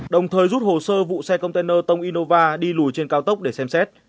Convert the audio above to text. đồng thời rút hồ sơ vụ xe container tông innova đi lùi trên cao tốc để xem xét